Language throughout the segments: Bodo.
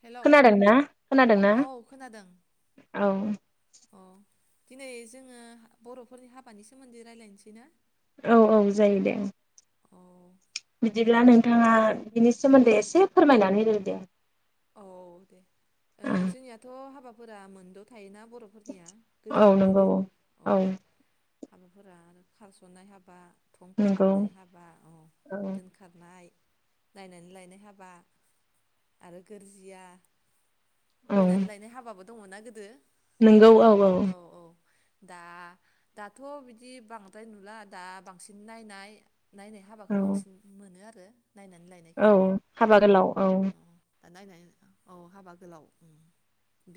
हेलौ खोनादोंना खोनादोंना? औ खोनादों औ औ दिनै जोङो बर'फोरनि हाबानि सोमोन्दै रायज्लायनोसै ना? औ औ जायो दे। औ बिदिब्ला नोंथाङा बिनि सोमोन्दै एसे फोरमायनानै होदो दे। औ ओ जोंनियाथ' हाबा फोरा मोनद' थायोना? बर'फोरनिया औ नंगौ गोदोनिफ्रायनो औ। हाबाफोरा आरो खारस'ननाय हाबा। थंखा नंगौ हाबनाय हाबा औ दोनखारनाय नायनानै लायनाय हाबा आरो गोरजिया बोनानै लायनाय हाबाबो दंङ ना गोदो नोंगौ औ औ। दा दाथ बिदि बांद्राय नुला दा बांसिन नायनाय नायनाय हाबाखौ औ बांसिन मोनो आरो बे औ हाबा गोलाव औ दा नायनाय औ हाबा गोलाव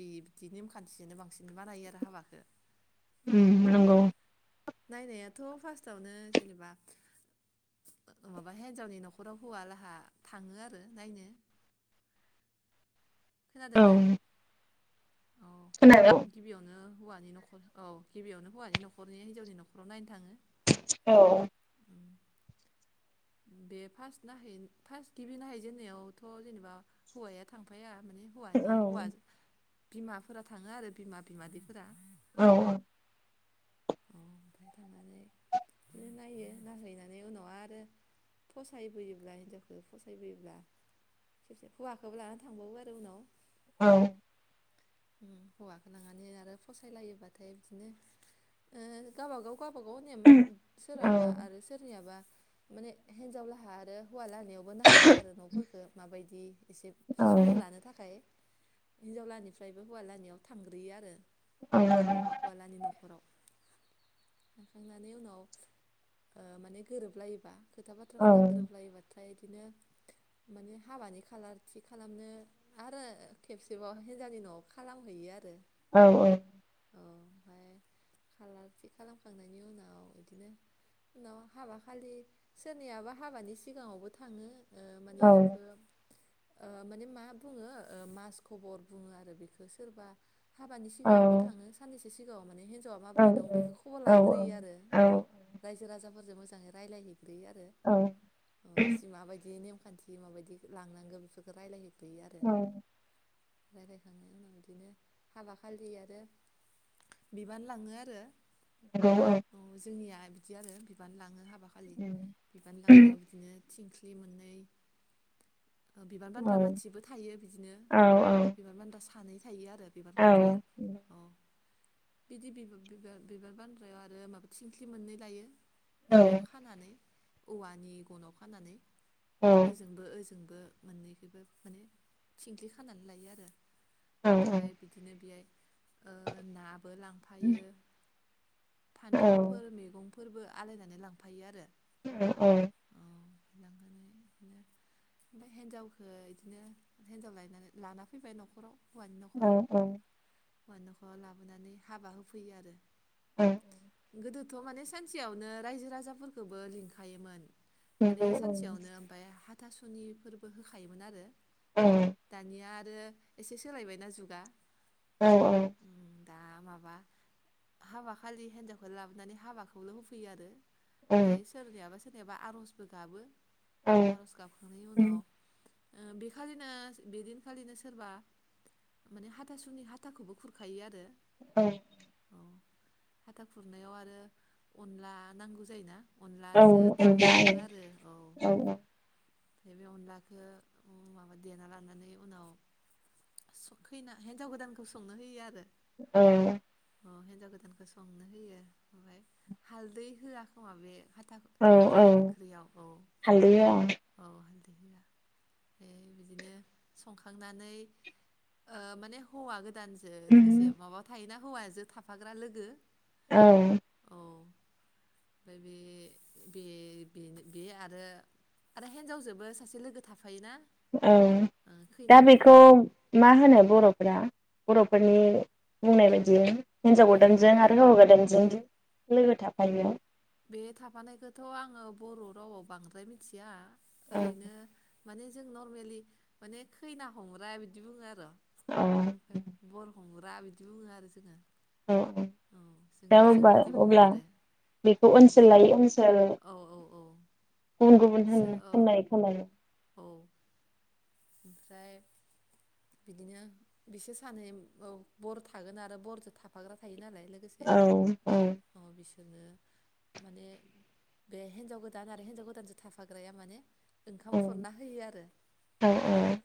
बिदि नेमखान्थिजोंनो बांसिन बानायो आरो हाबाखौ। उम नंगौ। नायनायाथ फार्स्टआवनो जेनेबा माबा हिनजावनि नखराव हौवालाहा थाङो आरो नायनो खोनादों औौ ना? औ खोनादों गिबियावनो हौवानि नखर औ गिबियावनो हौवानि नखरनि हिन्जावनि नखराव नायनो थाङो औ बे फार्स्ट फार्स्ट गिबि नाहैजेनन्नायावथ जेनेबा हौवाया थांफाया। माने औ हौवानि हौवा। बिमाफोरा थाङो आरो बिमा बिमादैफोरा औ -औ अ ओमफ्राय थांनानै बिदिनो नायो नाहैनानै उनाव आरो फसायबोयोब्ला हिनजावखौ फसायबोयोब्ला खेबसे हौवाखौबो लानानै थांबावो आरो उनाव औ हौवाखौ लांनानै आरो फसायलायोबाथाय बिदिनो ओ गावबा गाव गावबागाव नेम औ सोरहाबा आरो सोरनियाबा माने हिन्जाव लाहा आरो। हौवा लाहानियावबो नायाहैयो आरो नफोरखौ माबायदि बे एसे औ सुलु लानो थाखाय हिनजावलानिफ्रायबो हौवालानियाव थांग्रोयो आरो। औ हौवालानि न'खराव थांखांनानै उनाव माने ओ गोरोबलायोबा खोथा बाथ्राफोरा गोरोबलायोबथाय'। ओमफ्राय बिदिनो माने हाबानि खालार थि खालामनो आरो खेबसेबाव हिनजावनि नआव खालामहैयो आरो औ औ औ ओमफाय खालार थि खालामखांनायनि उनाव बिदिनो उनाव हाबा खालि सोरनियाबा हाबानि सिगाङावबो थाङो। माने बेखौ माने मा बुङो मास खबर बुङो आरो बेखौ सोरबा हाबानि सिगाङावबो थाङो साननैसो सिगाङाव माने हिनजाव बोरै दं बेखौ खबर लाहैग्रोयो आरो औ रायजो राजाफोर [unintelligible] मोजाङै रायज्लाय है ग्रोयो आरो औ सिमा बायदि नेम खान्थि माबायदि लांनांगौ बेफोरखौ रायज्लायहै। बै आरो। औ रायज्लायखांनायनि उनाव बिदिनो हाबा खालि आरो बिबान लां [inaudible] औ जोंनिया बिदि आरो बिबान लाङो हाब खालि उम बिबान लांनायाव बिदिनो थिंख्लि मोननै। बिबान औ बान्द्रा मानसिबो थायो बिदिनो औ बिबान बान्द्रा सानै थायो आरो औ बिबान [unintelligible] औ बिदि बिब बिबान बिबान बान्द्रायाव आरो माबा थिंख्लि मोननै लायो। औ माबायाव खानानै औवानि गनाव खानानै औ ओजोंबो ओज जोंबो मोननैखोबो माने थिंख्लि खानानै लायो आरो। औ ओमफ्राय बिदिनो बेहाय ओ नाबो लांफायो नंगौ औ फान्थावफोर मैगं फोरबो आलायनानै लांफायो आरो। औ औ। [unintelligible] बिदिनो ओमफ्राय हिनजावखौ बिदिनो हिनजाव लायनानै लाना फैबाय आरो नखराव हौवानि नखराव औ औ हौवानि नखराव लाबोनानै हाबा होफैयो आरो। औ गोदोथ माने सानसेयावनो रायजो राजाफोरखौबो लिंखायोमोन। माने अनला सानसेयावनो ओमफ्राय हा हाथासुनि फोरबो होखायोमोन आरो औ दानिया एसे सोलायबायना जुगा। औ औ उम, दा माबा हाबाखालि हेनजावखोल लाबोनानै हाबाखौल होफैयोआरो। फाय सोरनियाबा सो सोरनियाबा आरजबो गाबो आरज गाबखांनायनि उनाव ओ बेखालिनो बेदिनखालिनो सोरबा माने हाथासुनि हाथाखोबो खुरखायो आरो ओं हाथाखुरनायाव आरो अनला नांगौ जायोना? अनलाजो दाउ सङोआरो औ। ओमफाय बे अनलाखो उह माबा देनालानानै उनाव स खैना हेन्जावगोदानखो संनो होयो आरो। अ अह हेनजावगोदानखो संनोहोयो ओमफाय हालदै होआखोमा बे [unintelligible] खाम औ खुरनाय औ ओंख्रियाव औ हालदै औ औ हालद [unintelligible] बिदिनो संखांनानै ओह माने हौवा गोद गोदानजों लोगोसे माबावथायोना हौवाजो थाफाग्रा लोगो औ औ। फाय बे-बे बेन बे आरो हेनजावजोबो सासेलोगो थाफा औ दाबेखौ हमग्रा माहोनो बर'फोरा। बर'फोरनि बुंनायबायदि हेनजावगोदानजों आरो हौवागोदानजों लोगोथाफायो। बे थाफानायखोथ आङो बर' रावाव बांद्रायमिथिआ। औ ओरैनो मानेजों नरमेलि माने खैनाहमग्रा बिदिबुङोआर। औ ओमफाय [unintelligible] बा बिदिबुङोआरो जोंङो। औ जोंनिथिं बिदिबुङोआरो। खौ ओनसोल लायै ओनसोल गुबुन गुबुन होनो सो औ होन्नाय खोनायो। औ ओमफ्राय बिदिनो बिसोर सानै औ बर थागोन आरो बरदो थाफाग्रा थोयोनालाय। औ औ। दोङो माने बे हेनजावगोदान आरो हेनजावगोदानजो थाफाग्राया माने ओंखाम औ खुरनाहोयोआरो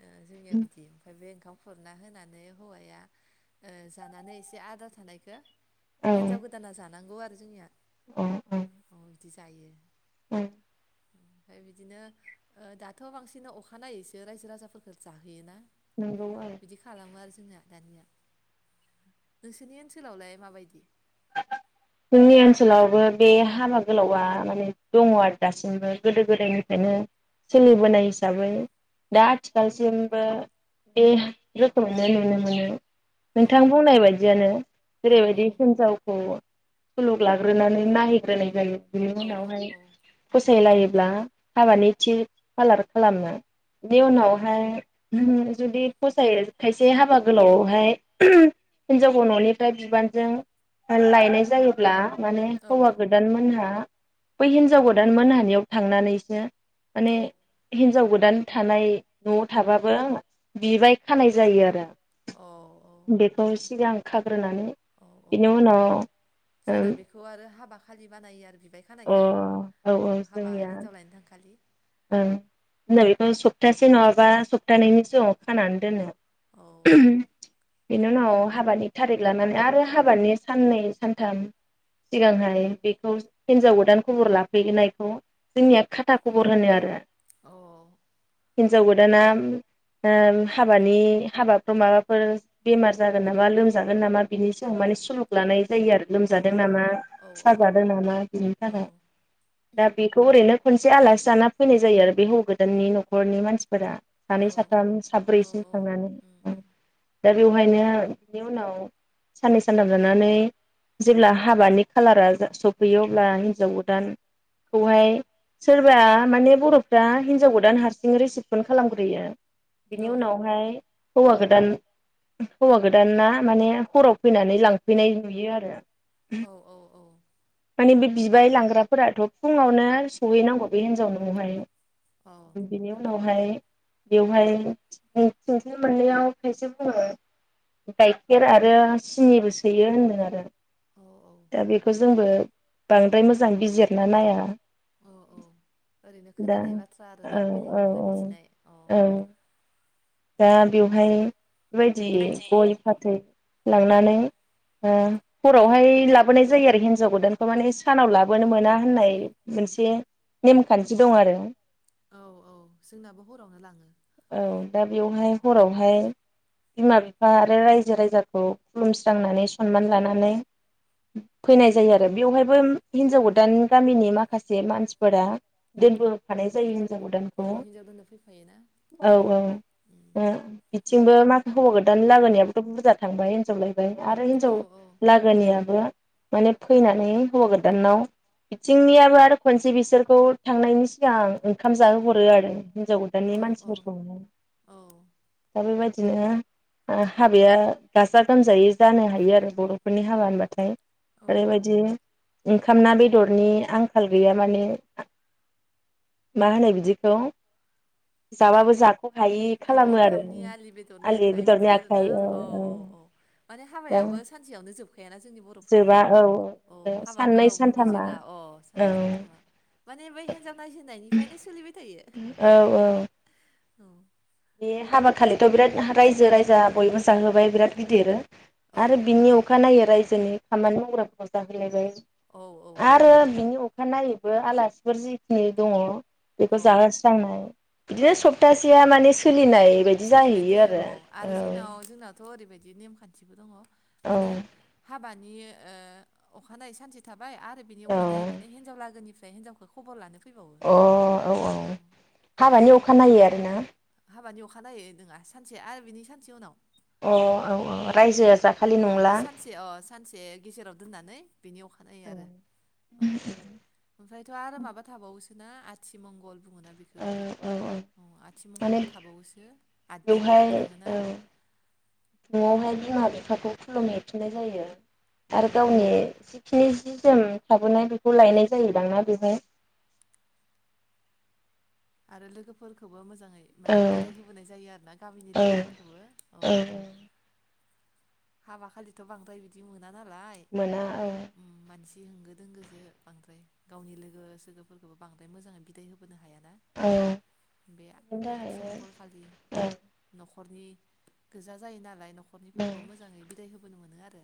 ओह जोंनियाबिदि ओमफाय बे ओखाम खुरनाहोनानै हौवाया ओह जानानै एसे आदरा थानायखो औ हेन्जाव गोदाना जान नांगौआरो जोंनिया। औ दि जायो। उम ओमफाय बिदिनो ओ दाथ' बांसिन अखानायैसो रायजो राजाफोरखौ जाहोयोना? नंगौ औ बिदि खालामो आरोखि जोंना दानिया नोंसोरनि ओनसोलावलाय माबायदि? जोंनि ओनसोलावबो बे हाबा गोलावआ माने दङ आरो दासिमबो गोदो गोदायनिफ्रायनो सोलिबोनाय हिसाबै दा आथिखालसिमबो बे गोथौनो नुनो मोनो। औ नोंथां बुंनाय बायदियानो औ औ जेरैबायदि हिनजाव सुलुग लाग्रोनानै नायहैग्रोनाय जायो। बिनि औ उनावहाय औ फसाय लायो ब्ला हाबानि थि खालार खालामो बेनि उनावहाय जुदि फसाय खायसे हाबा गोलावआवहाय हिनजावखौ न'निफ्राय बिबानजों लायनाय जायोब्ला माने औ हौवा गोदान मोनहा बै हिनजाव गोदान मोनहानियाव थांनानैसो माने औ हिनजाव गो दान थानाय न'आव थाबाबो बिबाय खानाय जायो आरो औ बेखौ सिगां खाग्रोनानै औ औ बिनि उनाव ओ फालि बानायो आर बिबाय खानायखो औ हाबा हिनजाव लायनो थांखालि ओं जोंना बेखौ सप्तासे नङाबा सप्तानैनि सिगाङाव खानानै दोनो औ बेनि उनाव हाबानि थारिख लानानै आरो हाबानि साननै सानथाम सिगांहाय बेखौ हिनजाव गोदान खबर लाफैनायखौ जोंनिया खाथा खबर [unintelligible] आरो औ हिनजाव गोदाना ओ हाबानि हाबाफोराव माबाफोर बेमार जागोन नामा लोमजागोन नामा बिनि सायाव माने सुलुग लानाय जायो आरो औ लोमजादों नामा औ औ साजादों नामा बिनि औ थाखाय दा बेखौ ओरैनो [unintelligible] जे आलासि जाना फैनाय जायो आरो बे हौवा गोदाननि न'खरनि मानसिफोरा औ सानै साथाम साब्रैसिम थांनानै उम दा बेवहायनो बिनि उनाव साननै सानथाम थानानै जेब्ला हाबानि खालारा सफैयो अब्ला हिनजाव गोदानखौहाय सोर [unintelligible] माने बर'फ्रा हिनजाव गोदान हारसिङै रिसिपसन खालामग्रोयो औ बिनि उनावहाय हौवा गोदान हौवा गोदाना माने हराव फैनानै लांफैनाय नुयो आरो उम औ मानि बे बिबाय लांग्राफोराथ' फुङावनो सहैनांगौ बे हिन्जाव नाव हाय औ बिनि उनाव। ओमहाय बेवहाय थिं-थिंख्लि मोननैयाव खायसे बुङो गाइखेर आरो सिनिबो सोयो होनदों आरो औ दा बेखौ जों जोंबो बांद्राय मोजां बिजिरना नाया। ओरैनो दा खोनानाय बाथ्रा आरो ना औ औ बेलेगनिफ्राय औ मिथिनाय अ औ दा बेवहाय बेबायदि गय, फाथै लांनानै ओ हरावहाय लाबोनाय जायो आरो हिनजाव गोदानखौ माने सानाव लाबोनो मोना होननाय मोनसे नेमखान्थि दं आरो। औ औ जोंनाबो हरावनो लाङो। औ दा बेवहाय हरावहाय बिमा बिफा आरो रायजो राजाखौ खुलुमस्रांनानै सनमान लानानै फैनाय जायो आरो बेवहायबो हिनजाव गोदान गामिनि माखासे मानसिफोरा दोनबोफानाय जायो हिनजाव गोदानखौ औ हिनजाव दोननो फैफायो ना। औ औ ओ बिथिंबो मा हौवा गोदानै लाबोनायाबोथ' बुरजा थांबाय। [unintelligible] आरो हिनजाव औ औ लागोनियाबो माने फैनानै हौवा गोदानाव बिथिंनियाबो आरो खनसे बिसोरखौ थांनायनि सिगां ओंखाम जाहोहरो आरो। हिन्जाव गोदानानि औ मानसि औ। दाबो बे बायदिनो ओ हाबाया गाजा गोमजायै जानो हायो आरो बर'फोरनि हाबा होनबाथाय औ औ ओरैबायदि ओंखाम ना बेदरनि आंखाल गैया माने मा होनो बिदिखौ जाबाबो जाग अ' ओंखामनि आलि बेदरनि आलि आखाइ बेदरनि बिदि आरो आखाइ ना औ औ औ माने दा हाबायाबो सानसेयावनो जोबखायाना जोंनि जोबा बर'फोरनिया औ अ' हाबा साननै गोलाव बुंदो सानथामा जेला अ' औ साननै सानथामा माने बै हिन्जाव नायजेननायनिफ्रायनो सोलिबाय थायो। औ औ औ। बे हाबा खालिथ‌ बिराद रायजो राजा बयबो जाहोबाय बिराद गिदिर औ आरो बिनि अखानाय रायजोनि खामानि मावग्राफोरखौ औ औ [unintelligible] आरो बिनि अ अखानायैबो आलासिफोर जिखिनि दङ बेखौ औ जाबा स्रांनाय बिदिनो सप्तासेया माने सोलिनाय बायदि सोलिबायानो जाहैयो थायो औ आरो जोंनाव जोंनावथ ओरैबायदि बिदि नेमखान्थिबो दङ औ माने हाब हाबानि ओ अखानायै सानसे थाब बाय आरो बिनि औ अखानायै माने हिनजाव लागोनि बे हिनजवखौ खबर लानो फैबावो अ औ औ हाबानि अखानायै आरोना? बानि अखानायनायै नोंङा सानसे आरो बिनि सानसे उनाव अ औ औ रायजोआ जाखालि अ नंला माने सानसे अ सानसे गेजेराव दोननानै बेनि अखानायै औ आरो औ ओमफ्रायथ' आरो माबा थाबावोसो ना आथि मंगल बुङोना बेखौ औ आथि। माने बेवहाय औ थाङोना न'आवहाय बिमा। बिफाखौ खुलुम हैफिननाय जायो। औ आरो औ गावनि जिखिनि जि जोम थाबोनाय बेखौ लायनाय जायो दां बेवहाय? आरो लोगोफोरखौबो मोजां। औ माने बिदाय होबोनाय जायो आरोना गामिनि औ लोगोफोरखौबो औ हाबा खालिथ' बांद्राय बिदि मो नाना नालाय मोना औ मानसि बि होंगो दोंगोजोजो बांद्राय गावनि लोगो सोगोफोरखोबो बांद्राय मोजाङै बिदाय होबोनो हाया। दा औ बे बेनि थाखायनो आथिमंगल खालि नख औ उम न'खरनि गोजा जायो नालाय न' न'खरनिफोरखौबा मोज बिदाय होबोनो मोनो आरो।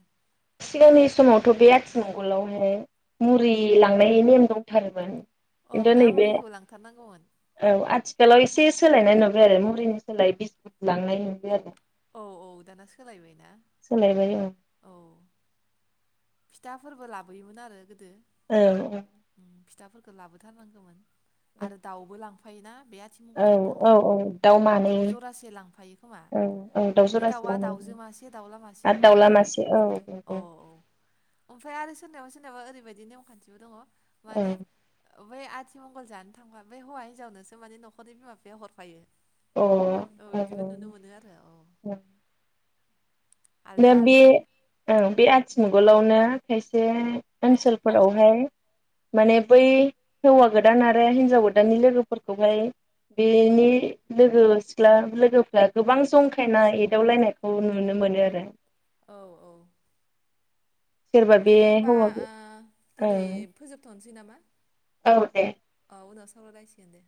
सिगांनि समावथ' बे आथिमंगलावनो मुरि लांनायनि नेम दंथारोमोन। औ खिन्थु ना नैबे मुरिखौ लांथारनांगौमोन औ आथिखालाव एसे सोलायनाय नुबाय आरो मुलिनि सोलाय बिसकुट लांनाय नुबाय आरो। औ औ दाना सोलायबायना सोलायबाय औ औ। फिथाफोरबो लाबोयोमोन आरो गो दो औ दाफोरखौ लाबोथारनांगोमोन आरो दाउबो लां फायोना बे औ आथिमंगल जानो औ थांनायाव औ मानै दाउ जरासे लांफायो खोमा औ औ दाउ बे जरासे दाउआ लांनांगौ दाउजो मासे दाउला मासे आरो खोमा दाउला ना मासे औ औ नंगौ औ ओमफ्राय आरो सोरनावबा सोरना दाबो ओरैबायदि नेमखान्थिबो दङ औ अ माने ओ बै आथिमंगल जानो थांबा बे हौवा हिनजावनोसो माने न'खरनि बिमा बिफाया हरफायो। औ इदिबो नुनो मोनो आ औ आलदा बे आलदा ओ बे आथिमंगलाव [unintelligible] खायसे ओनसोल फोरावहाय माने बै हौवा गोदान आरो हिनजाव गोदाननि लोगोफोरखौहाय बेनि लोगो सिख्ला लोगोफ्रा गोबां जंखायना एदावलायनायखौ नुनो मोनो आरो [unintelligible] औ औ सोरबा दे बे होमबा हौवा ओ दिनै ओं फोजोबथ नोसै नामा? औ दे औ उनाव सावलाय लायसिगोन दे।